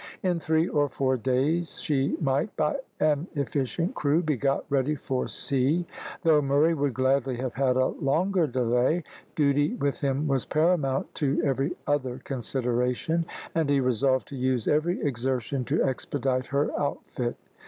In three or four days she might, by an efficient crew, be got ready for sea. Though Murray would gladly have had a longer delay, duty with him was paramount to every other consideration, and he resolved to use every exertion to expedite her outfit.